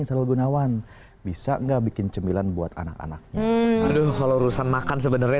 selalu gunawan bisa nggak bikin cemilan buat anak anaknya aduh kalau urusan makan sebenarnya